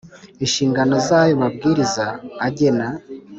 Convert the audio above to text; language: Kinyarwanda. inshingano z ayo mabwiriza agena